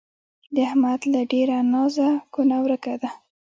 د احمد له ډېره نازه کونه ورکه ده